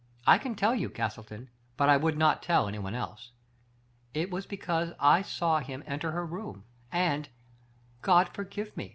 I can tell you, Castleton, but I would not tell anyone else. It was because I saw him enter her room, and, God forgive me